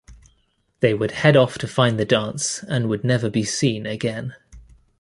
They would head off to find the dance and would never be seen again.